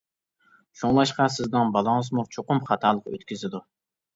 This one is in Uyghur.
شۇڭلاشقا سىزنىڭ بالىڭىزمۇ چوقۇم خاتالىق ئۆتكۈزىدۇ.